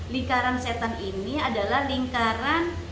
lingkaran setan ini adalah lingkaran